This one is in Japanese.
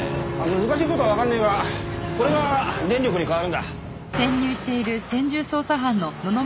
難しい事はわかんねえがこれが電力に変わるんだ。